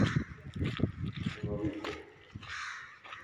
Kunoviku